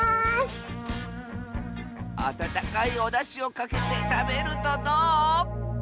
あたたかいおだしをかけてたべるとどう？